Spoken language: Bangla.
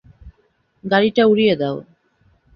গাড়িটা উড়িয়ে দাও।